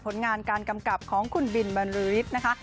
ผลงานการกำกับของคุณบินบรรลือฤทธิ์นะคะ